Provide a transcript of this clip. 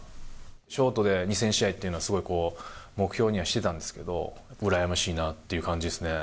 ショートで２０００試合というのは、すごい目標にはしてたんですけど、羨ましいなっていう感じですね。